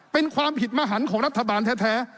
เป็นความผิดมหันของรัฐบาลแท้